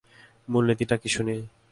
মূলনীতিটা কী শুনি।